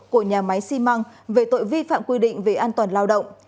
của nhà máy xi măng về tội vi phạm quy định về an toàn lao động